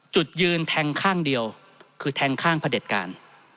จุดยืนแทงข้างเดียวคือแทงข้างพระเด็จการ